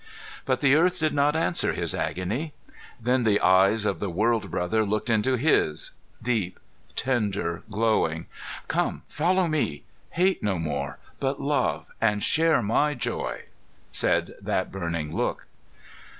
But the earth did not answer his agony. Then the eyes of the World Brother looked into his, deep, tender, glowing. "Come, follow Me! Hate no more, but love, and share My joy!" said that burning Look.